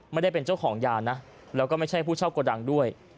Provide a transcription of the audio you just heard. ไม่ได้เป็นเจ้าของยานะแล้วก็ไม่ใช่ผู้เช่ากระดังด้วย